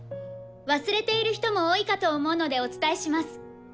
忘れている人も多いかと思うのでお伝えします。